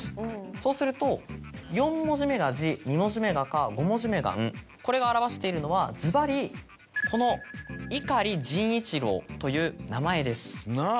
そうすると４文字目が「じ」２文字目が「か」５文字目が「ん」これが表しているのはずばりこの「いかりじんいちろう」という名前です。なぁ。